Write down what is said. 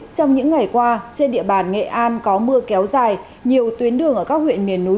trong những ngày qua trên địa bàn nghệ an có mưa kéo dài nhiều tuyến đường ở các huyện miền núi